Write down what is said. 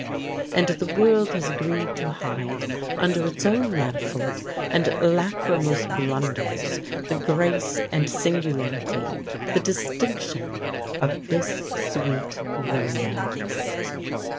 And the world has agreed to hide under its own manifold and lachrymose blunders the grace and singularity the distinction of this sweet romance.